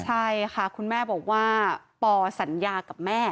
ใช่ค่ะคุณแม่บอกว่าปอสัญญากับแม่